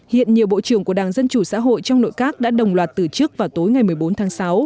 hiện nhiều bộ trưởng của đảng dân chủ xã hội trong nội các đã đồng loạt từ chức vào tối ngày một mươi bốn tháng sáu